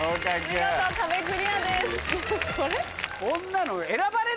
見事壁クリアです。